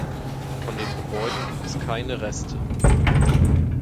Von den Gebäuden gibt es keine Reste.